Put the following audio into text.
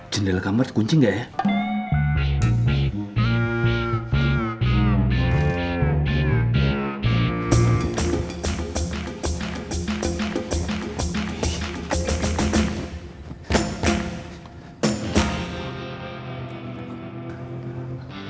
jendela kamar kunci gak ya